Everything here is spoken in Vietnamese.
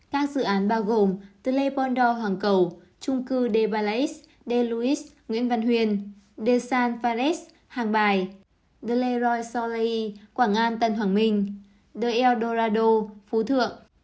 các dự án bao gồm the le ponder hoàng cầu trung cư de palais de louis nguyễn văn huyền de san fares hàng bài the leroy soleil quảng an tân hoàng minh the el dorado phú thượng